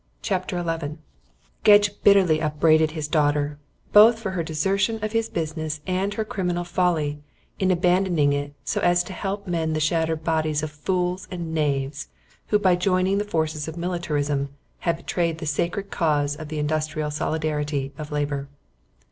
CHAPTER XI Gedge bitterly upbraided his daughter, both for her desertion of his business and her criminal folly in abandoning it so as to help mend the shattered bodies of fools and knaves who, by joining the forces of militarism, had betrayed the Sacred Cause of the International Solidarity of Labour.